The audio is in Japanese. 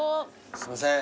すいません。